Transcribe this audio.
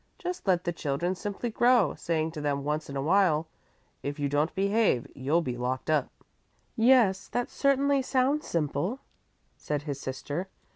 "Just let the children simply grow, saying to them once in a while, 'If you don't behave, you'll be locked up.'" "Yes, that certainly sounds simple," said his sister.